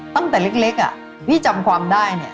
ตั้งแต่เล็กพี่จำความได้เนี่ย